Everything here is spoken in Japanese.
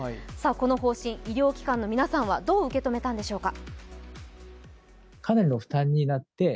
この方針、医療機関の皆さんはどのように受け止めたんでしょうか。